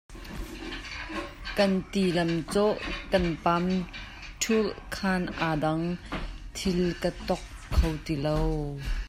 Kan tilam cawh kan pamṭulh khan a dang thil ka thok kho ti lo.